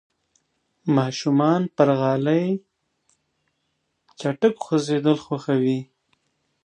ماشومان پر غالۍ چټک خوځېدل خوښوي.